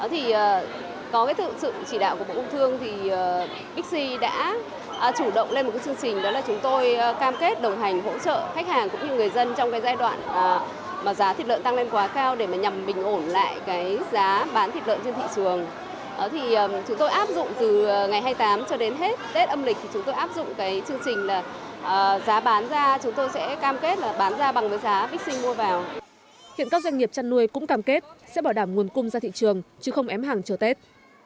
hiện các doanh nghiệp chăn nuôi cũng cam kết sẽ bảo đảm nguồn cung ra thị trường chứ không ém hàng chờ tết